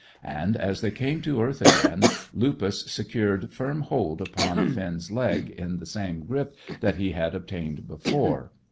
And, as they came to earth again, Lupus secured firm hold upon Finn's leg in the same grip that he had obtained before.